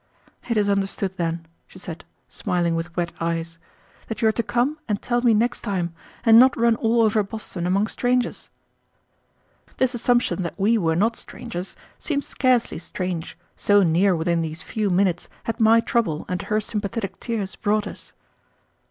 "It is understood, then," she said, smiling with wet eyes, "that you are to come and tell me next time, and not run all over Boston among strangers." This assumption that we were not strangers seemed scarcely strange, so near within these few minutes had my trouble and her sympathetic tears brought us.